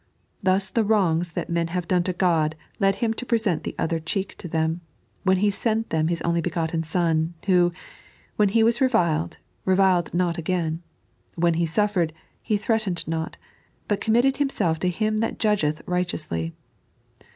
Thus the wrongs that men have done to God led Him to present the other cheek to them, when He sent them His only begotten Son, who, when He was reviled, reviled not again ; when He suffered, He threatened not, hut committed Himself to Him that judgeth righteously.